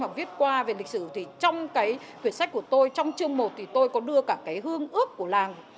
và viết qua về lịch sử thì trong cái quyển sách của tôi trong chương một thì tôi có đưa cả cái hương ước của làng